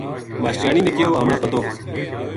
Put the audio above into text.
ماشٹریانی نے کہیو:”ہمنا پتو